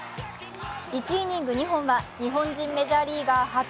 １イニング２本は日本人メジャーリーガー初。